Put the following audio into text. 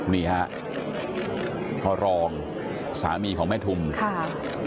นี่ฮะพ่อรองสามีของแม่ทุมค่ะ